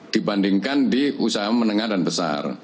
dibandingkan di usaha menengah dan besar